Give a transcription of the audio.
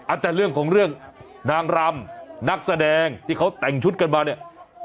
แต่เรื่องของเรื่องนางรำนักแสดงที่เขาแต่งชุดกันมาเนี่ย